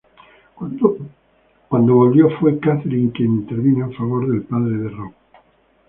Cuando volvió, fue Katherine quien intervino en favor del padre de Rob.